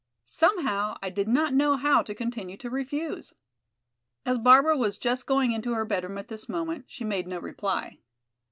Somehow I did not know how to continue to refuse." As Barbara was just going into her bedroom at this moment, she made no reply.